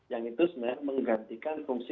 yang itu sebenarnya menggantikan fungsi